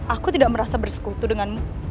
aku tidak merasa bersekutu denganmu